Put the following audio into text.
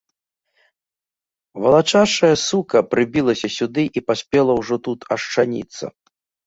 Валачашчая сука прыбілася сюды і паспела ўжо тут ашчаніцца.